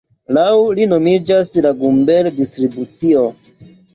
Laŭ li nomiĝas la Gumbel-Distribucio.